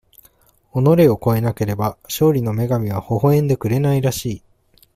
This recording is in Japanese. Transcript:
己を超えなければ、勝利の女神はほほえんでくれないらしい。